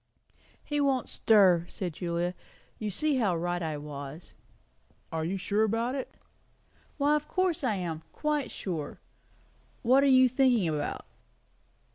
"He won't stir," said Julia. "You see how right I was." "Are you sure about it?" "Why, of course I am! Quite sure. What are you thinking about?"